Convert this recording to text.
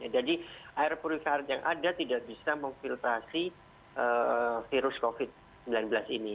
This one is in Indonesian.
jadi air purifar yang ada tidak bisa memfiltrasi virus covid sembilan belas ini